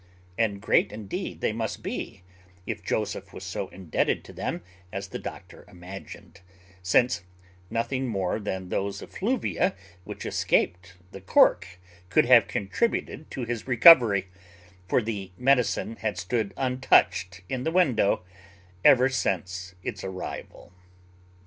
And great indeed they must be, if Joseph was so much indebted to them as the doctor imagined; since nothing more than those effluvia which escaped the cork could have contributed to his recovery; for the medicine had stood untouched in the window ever since its arrival.